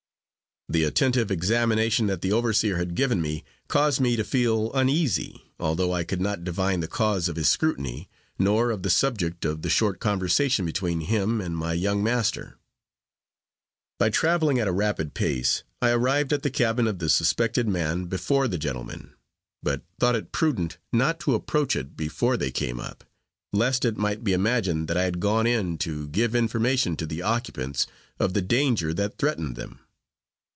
The attentive examination that the overseer had given me, caused me to feel uneasy, although I could not divine the cause of his scrutiny, nor of the subject of the short conversation between him and my young master. By traveling at a rapid pace, I arrived at the cabin of the suspected man before the gentlemen, but thought it prudent not to approach it before they came up, lest it might be imagined that I had gone in to give information to the occupants of the danger that threatened them.